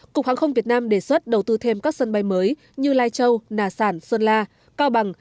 cục hàng không việt nam đề xuất đầu tư thêm các sân bay mới như lai châu nà sản sơn la cao bằng